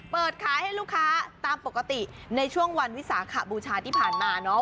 เปิดขายให้ลูกค้าตามปกติในช่วงวันวิสาขบูชาที่ผ่านมาเนาะ